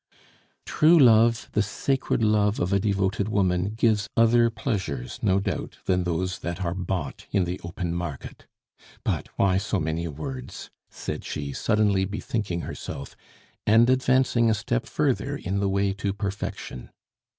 "True love, the sacred love of a devoted woman, gives other pleasures, no doubt, than those that are bought in the open market! But why so many words?" said she, suddenly bethinking herself, and advancing a step further in the way to perfection.